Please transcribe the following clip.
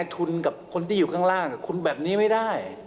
ทุนกับคนที่อยู่ข้างล่างคุณแบบนี้ไม่ได้